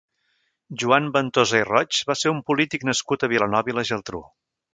Joan Ventosa i Roig va ser un polític nascut a Vilanova i la Geltrú.